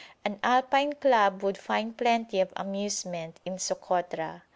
An Alpine Club would find plenty of amusement in Sokotra.